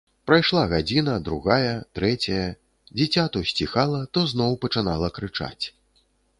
Прайшла гадзіна, другая, трэцяя, дзіця то сціхала, то зноў пачынала крычаць.